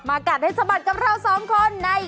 มากัดให้สมัครกับเราสองคนใน